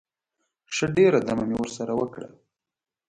ښه ډېره دمه مې ورسره وکړه.